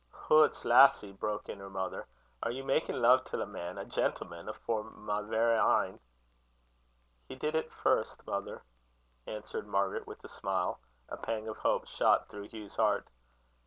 "Hoots! lassie," broke in her mother; "are ye makin' love till a man, a gentleman, afore my verra een?" "He did it first, mother," answered Margaret, with a smile. A pang of hope shot through Hugh's heart.